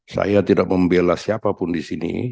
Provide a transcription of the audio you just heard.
saya tidak membelas siapapun disini